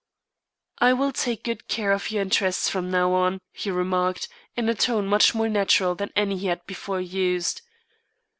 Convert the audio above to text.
"I will take good care of your interests from now on," he remarked, in a tone much more natural than any he had before used.